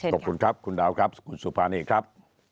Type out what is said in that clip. ขอบคุณครับคุณดาวครับคุณสุภานีครับ